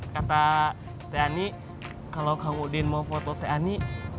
kata t ani kalau kang udin mau foto t ani